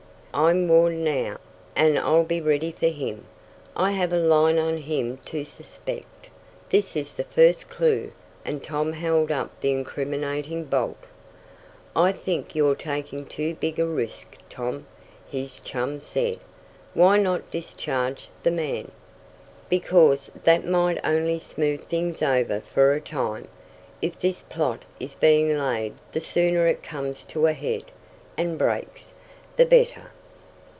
I'm warned now, and I'll be ready for him. I have a line on whom to suspect. This is the first clue," and Tom held up the incriminating bolt. "I think you're taking too big a risk, Tom," his chum said. "Why not discharge the man?" "Because that might only smooth things over for a time. If this plot is being laid the sooner it comes to a head, and breaks, the better.